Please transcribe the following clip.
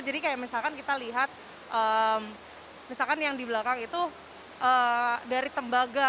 jadi kayak misalkan kita lihat misalkan yang di belakang itu dari tembaga